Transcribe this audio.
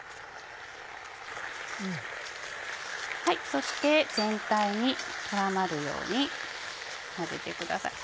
そして全体に絡まるように混ぜてください。